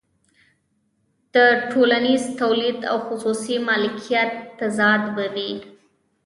د ټولنیز تولید او خصوصي مالکیت تضاد به وي